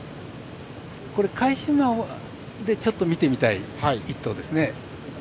これ、返し馬でちょっと見てみたい１頭ですね。